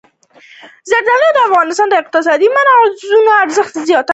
زردالو د افغانستان د اقتصادي منابعو ارزښت زیاتوي.